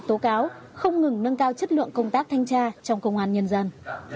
tố cáo không ngừng nâng cao chất lượng công tác thanh tra trong công an nhân dân